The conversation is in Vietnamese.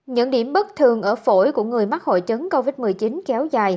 những điểm bất thường ở phổi của người mắc hội chứng covid một mươi chín